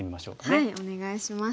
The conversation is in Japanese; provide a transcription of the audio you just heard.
はいお願いします。